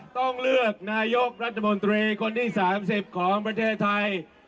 ต้องเลือกนายกรัฐมนตรีคนที่๓๐ของประเทศไทย